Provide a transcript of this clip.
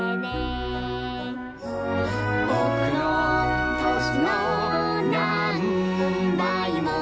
「ぼくのとしのなんばいも」